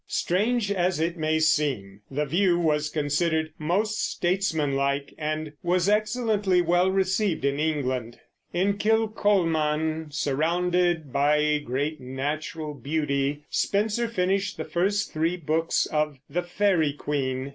Strange as it may seem, the View was considered most statesmanlike, and was excellently well received in England. In Kilcolman, surrounded by great natural beauty, Spenser finished the first three books of the Faery Queen.